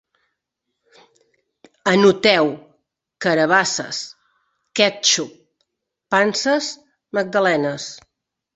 Anoteu: carabasses, quètxup, panses, magdalenes